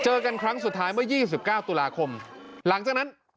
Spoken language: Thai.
เจอกันครั้งสุดท้ายเมื่อยี่สิบเก้าตุลาคมหลังจากนั้น